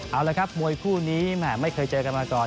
เอาละครับมวยคู่นี้ไม่เคยเจอกันมาก่อน